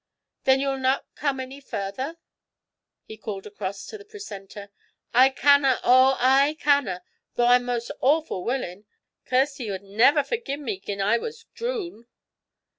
'Then you'll not come any farther?' he called cross to the precentor. 'I canna, oh, I canna; though I'm most awfu' wullin'. Kirsty wad never forgie me gin I was to droon.'